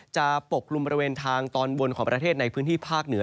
ปกลุ่มบริเวณทางตอนบนของประเทศในพื้นที่ภาคเหนือ